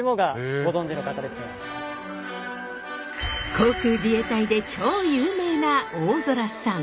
航空自衛隊で超有名な大空さん。